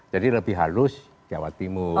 jadi lebih halus jawa timur